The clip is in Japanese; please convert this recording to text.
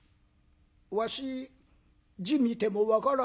「わし字見ても分からねえ」。